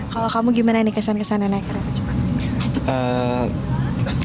kalau kamu gimana nih kesan kesannya naik kereta cepat